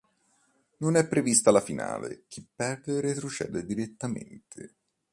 Non è prevista la finale, chi perde retrocede direttamente.